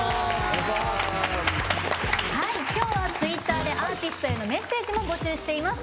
今日はツイッターでアーティストへのメッセージも募集しています。